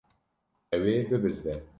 Ew ê bibizde.